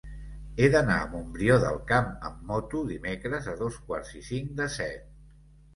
He d'anar a Montbrió del Camp amb moto dimecres a dos quarts i cinc de set.